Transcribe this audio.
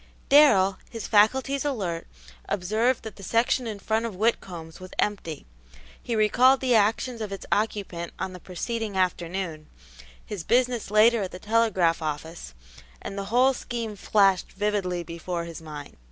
Darrell, his faculties alert, observed that the section in front of Whitcomb's was empty; he recalled the actions of its occupant on the preceding afternoon, his business later at the telegraph office, and the whole scheme flashed vividly before his mind.